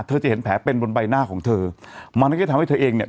เธอจะเห็นแผลเป็นบนใบหน้าของเธอมันก็ทำให้เธอเองเนี่ย